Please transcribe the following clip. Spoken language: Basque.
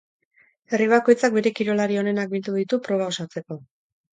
Herri bakoitzak bere kirolari onenak bildu ditu proba osatzeko.